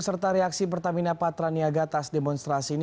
serta reaksi pertamina patraniaga atas demonstrasi ini